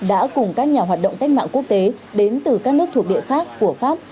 đã cùng các nhà hoạt động cách mạng quốc tế đến từ các nước thuộc địa khác của pháp